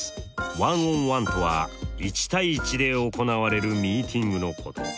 １ｏｎ１とは１対１で行われるミーティングのこと。